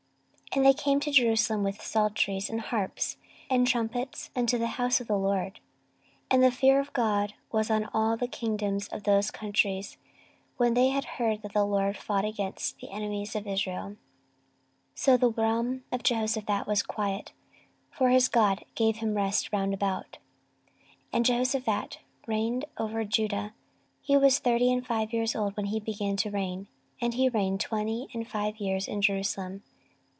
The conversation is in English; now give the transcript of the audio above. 14:020:028 And they came to Jerusalem with psalteries and harps and trumpets unto the house of the LORD. 14:020:029 And the fear of God was on all the kingdoms of those countries, when they had heard that the LORD fought against the enemies of Israel. 14:020:030 So the realm of Jehoshaphat was quiet: for his God gave him rest round about. 14:020:031 And Jehoshaphat reigned over Judah: he was thirty and five years old when he began to reign, and he reigned twenty and five years in Jerusalem.